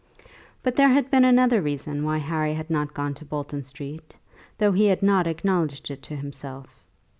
But there had been another reason why Harry had not gone to Bolton Street, though he had not acknowledged it to himself.